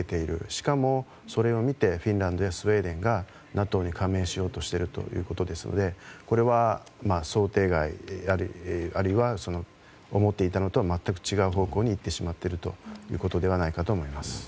しかも、それを見てフィンランドやスウェーデンがＮＡＴＯに加盟しようとしているということですのでこれは想定外、あるいは思っていたのとは全く違う方向にいってしまっているということではないかと思います。